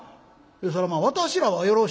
「そらまあ私らはよろしいけどもね